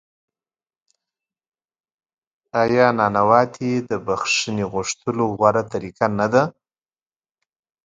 آیا نانواتې د بخښنې غوښتلو غوره طریقه نه ده؟